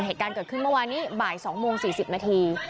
เหตุการณ์เกิดขึ้นเมื่อวานนี้บ่าย๒โมง๔๐นาที